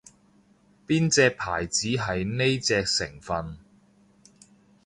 邊隻牌子係呢隻成份